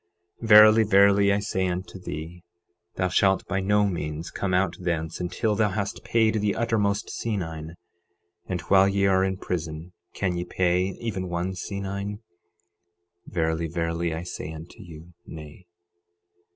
12:26 Verily, verily, I say unto thee, thou shalt by no means come out thence until thou hast paid the uttermost senine. And while ye are in prison can ye pay even one senine? Verily, verily, I say unto you, Nay.